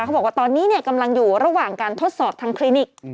เขาบอกว่าตอนนี้กำลังอยู่ระหว่างการทดสอบทางคลินิก